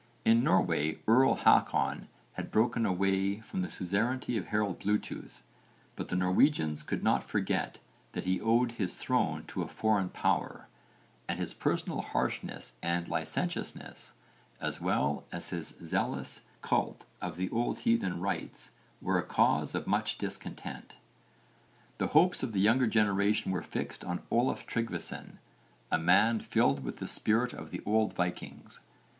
In Norway, Earl Hákon had broken away from the suzerainty of Harold Bluetooth, but the Norwegians could not forget that he owed his throne to a foreign power, and his personal harshness and licentiousness as well as his zealous cult of the old heathen rites were a cause of much discontent. The hopes of the younger generation were fixed on Olaf Tryggvason, a man filled with the spirit of the old Vikings.